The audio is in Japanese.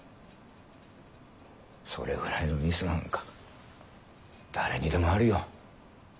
それぐらいのミスなんか誰にでもあるよ。